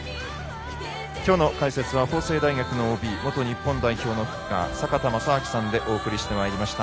きょうの解説は法政大学のＯＢ元日本代表のフッカー坂田正彰さんでお送りしてまいりました。